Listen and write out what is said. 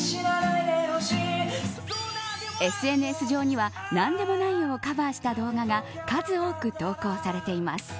ＳＮＳ上にはなんでもないよ、をカバーした動画が数多く投稿されています。